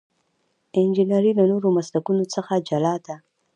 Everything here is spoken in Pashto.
انجنیری له نورو مسلکونو څخه جلا ده.